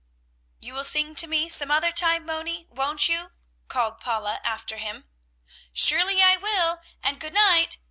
"You will sing to me some other time, Moni, won't you?" called Paula after him. "Surely I will, and good night!"